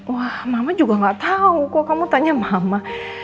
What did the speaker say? wah mama juga gak tau kok kamu tanya mama